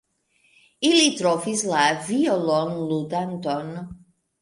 Ili trovis la violonludanton.